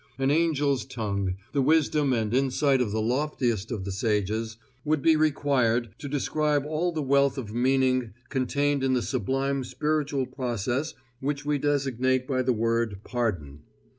An angel's tongue, the wisdom and insight of the loftiest of the sages, would be required to describe all the wealth of meaning contained in the sublime spiritual process which we designate by the word pardon.